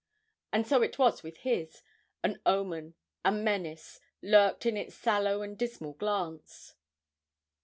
And so it was with his an omen, a menace, lurked in its sallow and dismal glance.